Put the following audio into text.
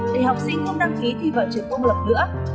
để học sinh không đăng ký thi vào trường công lập nữa